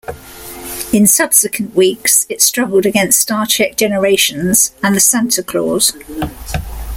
In subsequent weeks it struggled against "Star Trek Generations" and "The Santa Clause".